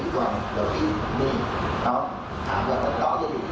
ทีนี้คนอีกขับขับลูกคล้ายลูก